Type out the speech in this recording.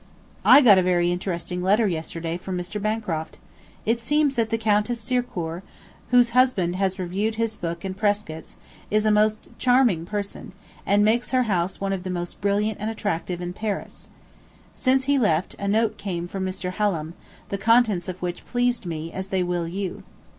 ... I got a very interesting letter yesterday from Mr. Bancroft. It seems that the Countess Circourt, whose husband has reviewed his book and Prescott's, is a most charming person, and makes her house one of the most brilliant and attractive in Paris. Since he left, a note came from Mr. Hallam, the contents of which pleased me as they will you.